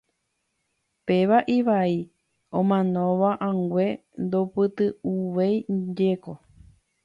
Péva ivai, omanóva angue ndopytu'úivajeko.